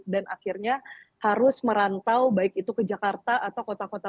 dan akhirnya harus merantau baik itu ke jakarta atau kota kota besar